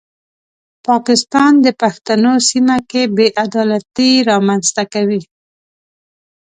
پاکستان د پښتنو سیمه کې بې عدالتي رامنځته کوي.